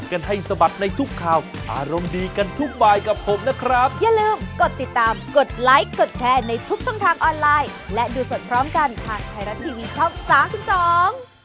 โปรดติดตามทุกวันทุกวันทุกเวลาทุกวันทุกวันทุกวัน